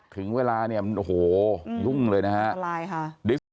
ถึงเวลาเนี่ยโอ้โหยุ่งเลยนะครับ